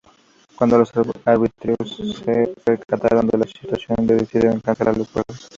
Cuando los árbitros se percataron de la situación decidieron cancelar los juegos.